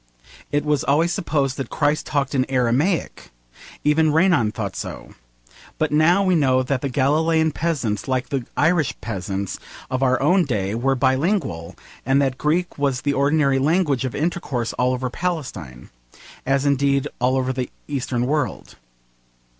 It was always supposed that Christ talked in Aramaic. Even Renan thought so. But now we know that the Galilean peasants, like the Irish peasants of our own day, were bilingual, and that Greek was the ordinary language of intercourse all over Palestine, as indeed all over the Eastern world.